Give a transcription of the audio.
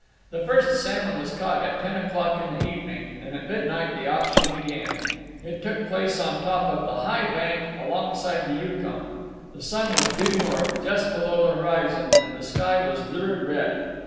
The first salmon was caught at ten o'clock in the evening, and at midnight the auction began. It took place on top of the high bank alongside the Yukon. The sun was due north just below the horizon, and the sky was lurid red.